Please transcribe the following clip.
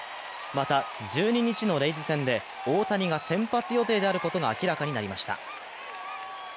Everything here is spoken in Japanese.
また１２日のレイズ戦で大谷が先発予定であることが明らかになりました。